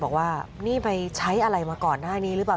บอกว่านี่ไปใช้อะไรมาก่อนหน้านี้หรือเปล่า